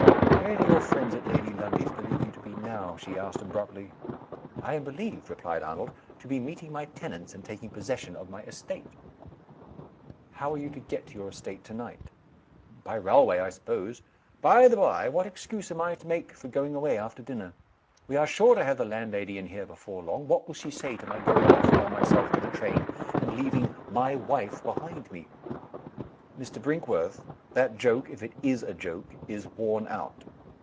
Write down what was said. "Where do your friends at Lady Lundie's believe you to be now?" she asked, abruptly. "I am believed," replied Arnold, "to be meeting my tenants, and taking possession of my estate." "How are you to get to your estate to night?" "By railway, I suppose. By the by, what excuse am I to make for going away after dinner? We are sure to have the landlady in here before long. What will she say to my going off by myself to the train, and leaving 'my wife' behind me?" "Mr. Brinkworth! that joke if it is a joke is worn out!"